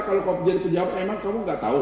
kalau kamu jadi pejabat emang kamu enggak tahu